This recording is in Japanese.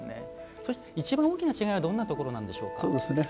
そして、いちばん大きな違いはどんなところなんでしょうか。